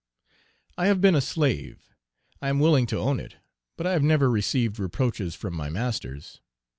I have been a slave; I am willing to own it; but I have never received reproaches from my masters.